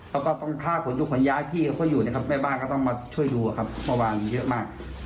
แล้วก็ต้องท่าโขยุขวัญญาณพี่พ่ออยู่ในครั้งแม่บ้านต้องมาช่วยดูครับเมื่อวานเยอะมาก